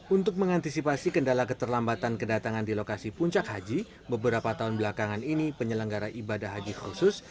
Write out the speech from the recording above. untuk mengantisipasi kendala keterlambatan kedatangan di lokasi puncak haji beberapa tahun belakangan ini penyelenggara ibadah haji khusus